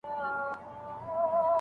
دوی د تېرو انقلابونو علتونه لټوي.